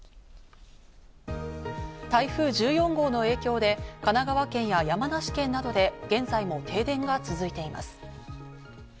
台風１４号の影響で神奈川県や山梨県などで現在も停電が続いています。